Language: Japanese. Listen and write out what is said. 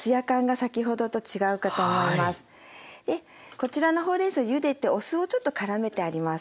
こちらのほうれんそうゆでてお酢をちょっとからめてあります。